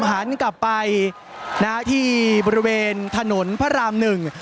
หันกลับไปนะฮะที่บริเวณถนนพระรามหนึ่ง